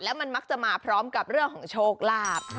มันมักจะมาพร้อมกับเรื่องของโชคลาภ